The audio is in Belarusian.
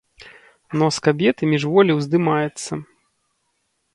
Нос кабеты міжволі ўздымаецца.